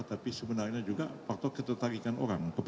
tapi sebenarnya juga faktor ketertarikan orang